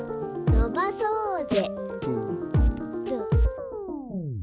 「のばそーぜ」